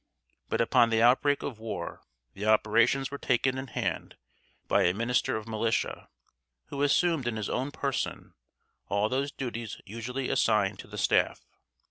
But upon the outbreak of war the operations were taken in hand by a Minister of Militia who assumed in his own person all those duties usually assigned to the staff.